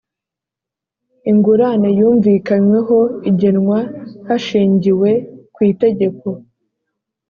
ingurane yumvikanyweho igenwa hashingiwe ku itegeko